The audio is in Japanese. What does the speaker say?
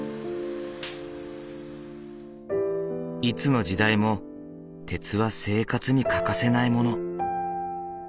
いつの時代も鉄は生活に欠かせないもの。